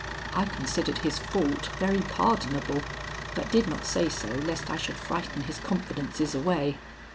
I considered his fault very pardonable, but did not say so lest I should frighten his confidences away.